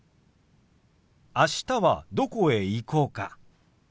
あしたはどこへ行こうか？